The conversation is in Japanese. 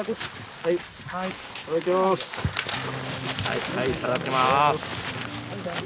はいはいいただきます。